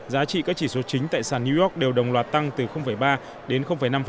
giá trị các chỉ số chính tại sàn new york đều đồng loạt tăng từ ba đến năm